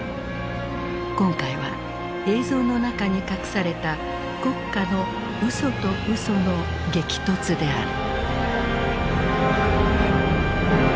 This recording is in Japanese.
今回は映像の中に隠された国家の嘘と嘘の激突である。